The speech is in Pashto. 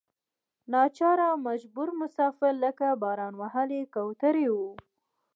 ناچاره مجبور مسافر لکه باران وهلې کوترې وو.